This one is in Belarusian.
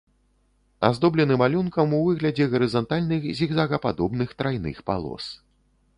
Аздоблены малюнкам у выглядзе гарызантальных зігзагападобных трайных палос.